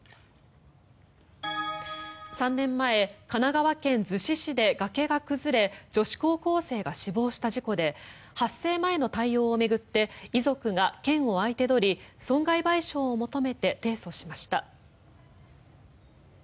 ３年前、神奈川県逗子市で崖が崩れ女子高校生が死亡した事故で発生前の対応を巡って遺族が県を相手取り損害賠償を求めて提訴しました。